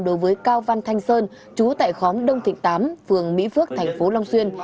đối với cao văn thanh sơn chú tại khóm đông thịnh tám phường mỹ phước thành phố long xuyên